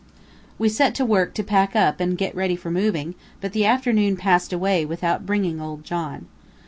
We set to work to pack up and get ready for moving, but the afternoon passed away without bringing old John.